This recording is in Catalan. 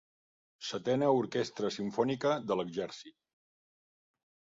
Setena Orquestra Simfònica de l'Exèrcit.